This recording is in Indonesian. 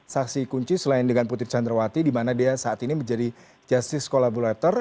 saksi kunci selain dengan putri candrawati di mana dia saat ini menjadi justice collaborator